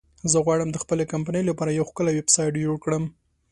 زه غواړم د خپلې کمپنی لپاره یو ښکلی ویبسایټ جوړ کړم